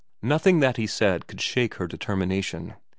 Nothing that he said xi VERA 121 could shake her determination.